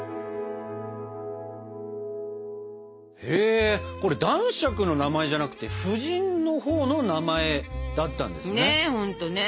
へえこれ男爵の名前じゃなくて夫人のほうの名前だったんですね。ね